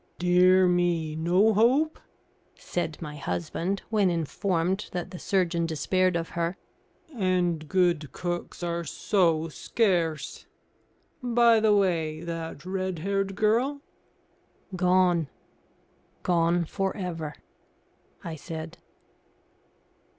"Dear me! no hope?" said my husband, when informed that the surgeon despaired of her. "And good cooks are so scarce. By the way, that red haired girl?" "Gone gone for ever," I said.